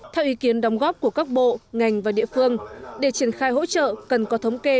theo ý kiến đóng góp của các bộ ngành và địa phương để triển khai hỗ trợ cần có thống kê